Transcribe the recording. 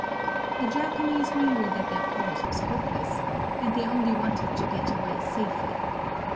The Japanese knew that their cause was hopeless, 273 KOREA and they only wanted to get away safely.